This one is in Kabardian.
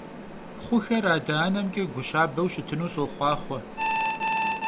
Pxhuxer ade - anemç'e gu şabeu şıtınu soxhuaxhue!